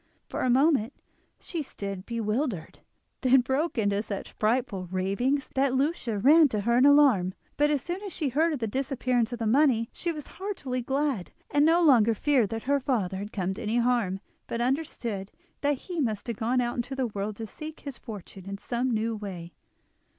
For a moment she stood bewildered, then broke into such frightful ravings that Lucia ran to her in alarm; but as soon as she heard of the disappearance of the money she was heartily glad, and no longer feared that her father had come to any harm, but understood that he must have gone out into the world to seek his fortune in some new way.